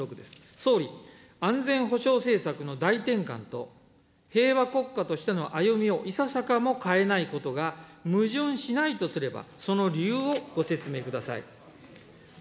総理、安全保障政策の大転換と、平和国家としての歩みをいささかも変えないことが矛盾しないとすれば、その理由をご説明ください。